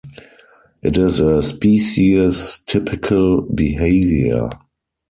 It is a species-typical behavior.